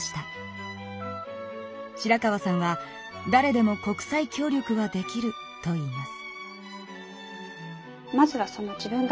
白川さんは「だれでも国際協力はできる」と言います。